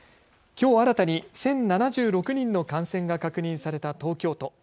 きょう新たに１０７６人の感染が確認された東京都。